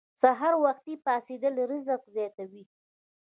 سحر وختي پاڅیدل رزق زیاتوي.